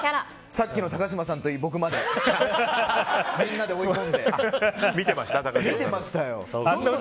さっきの高嶋さんといい、僕までみんなで追い込んで。